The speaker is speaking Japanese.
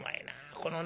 このね